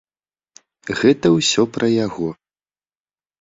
Гэта ўсё пра яго.